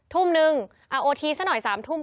ทุ่มนึงโอทีซะหน่อย๓ทุ่ม